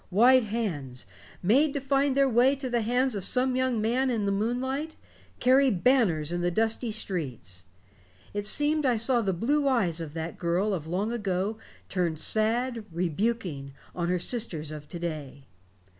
White hands, made to find their way to the hands of some young man in the moonlight, carry banners in the dusty streets. It seemed I saw the blue eyes of that girl of long ago turned, sad, rebuking, on her sisters of to day.